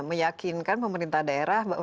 menyakinkan pemerintah daerah